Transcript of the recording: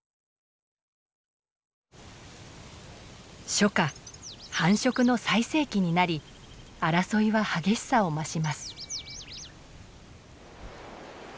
初夏繁殖の最盛期になり争いは激しさを増します。